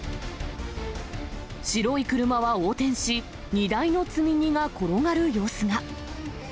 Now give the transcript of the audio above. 白い車は横転し、荷台の積み荷が転がる様子が。